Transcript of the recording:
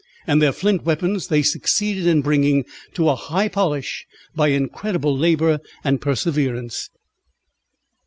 And their flint weapons they succeeded in bringing to a high polish by incredible labour and perseverance.